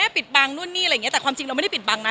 ปิดบังนู่นนี่อะไรอย่างเงี้แต่ความจริงเราไม่ได้ปิดบังนะ